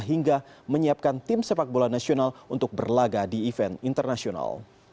hingga menyiapkan tim sepak bola nasional untuk berlaga di event internasional